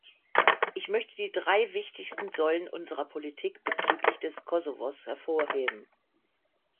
Ich möchte die drei wichtigsten Säulen unserer Politik bezüglich des Kosovos hervorheben.